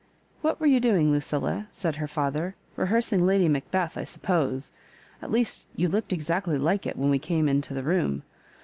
What were you doing, Lucilla?" said her father, — "rehearsing Lady Macbeth, I suppose. At least you looked exactly like it when we came into the room.